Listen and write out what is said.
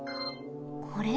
これ？